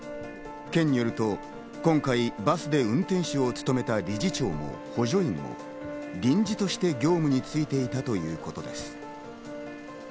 県によると、今回バスで運転手を務めた理事長も補助員も臨時として業務に就いていたということです。